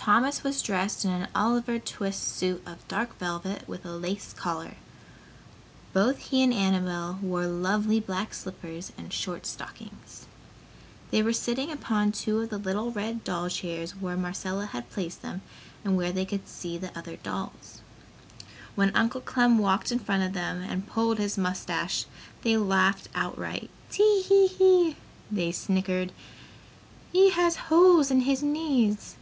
Thomas was dressed in an Oliver Twist suit of dark velvet with a lace collar. Both he and Annabel wore lovely black slippers and short stockings. They were sitting upon two of the little red doll chairs where Marcella had placed them and where they could see the other dolls. When Uncle Clem walked in front of them and pulled his mustache they laughed outright. "Tee Hee Hee!" they snickered, "He has holes in his knees!"